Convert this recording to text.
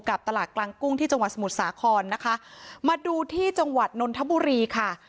ตลาดกลางกุ้งที่จังหวัดสมุทรสาครนะคะมาดูที่จังหวัดนนทบุรีค่ะ